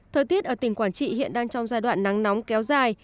thời tiết ở tỉnh quảng trị hiện đang trong giai đoạn nắng nóng kéo dài